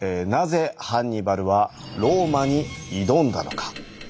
なぜハンニバルはローマに挑んだのか？